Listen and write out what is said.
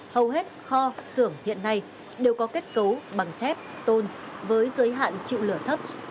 hầu hết kho xưởng hiện nay đều có kết cấu bằng thép tôn với giới hạn chịu lửa thấp